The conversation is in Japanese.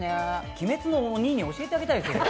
鬼滅の鬼に教えてあげたいですね。